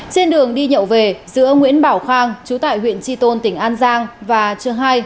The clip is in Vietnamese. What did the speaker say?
trên đường đi nhậu về giữa nguyễn bảo khang chú tại huyện tri tôn tỉnh an giang và trường hai